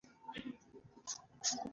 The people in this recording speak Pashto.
هوښیار څوک دی چې د هر حالت نه ګټه اخلي.